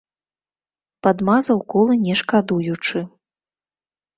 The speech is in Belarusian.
Падмазаў колы не шкадуючы.